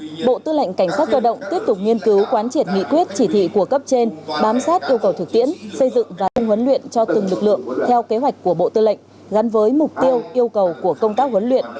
năm hai nghìn hai mươi hai bộ tư lệnh cảnh sát cơ động tiếp tục nghiên cứu quán triển nghị quyết chỉ thị của cấp trên bám sát yêu cầu thực tiễn xây dựng và hướng huấn luyện cho từng lực lượng theo kế hoạch của bộ tư lệnh gắn với mục tiêu yêu cầu của công tác huấn luyện